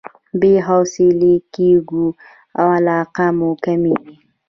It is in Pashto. بې حوصلې کېږو او علاقه مو کميږي.